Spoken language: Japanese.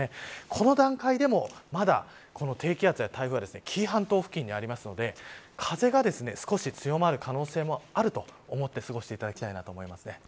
この段階でも、まだ低気圧や台風は紀伊半島付近にあるので風が少し強まる可能性もあると思って過ごしていただきたいと思います。